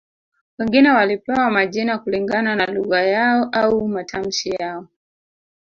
Wengine walipewa majina kulingana na lugha yao au matamshi yao